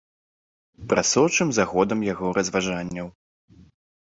Прасочым за ходам яго разважанняў.